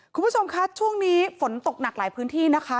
คุณผู้ชมคะช่วงนี้ฝนตกหนักหลายพื้นที่นะคะ